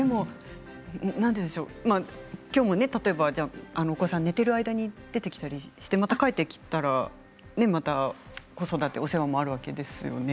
今日も例えばお子さんが寝ている間に出てきたりして帰ってきたら、また子育てお世話もあるわけですよね。